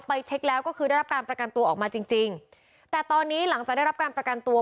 เช็คแล้วก็คือได้รับการประกันตัวออกมาจริงจริงแต่ตอนนี้หลังจากได้รับการประกันตัว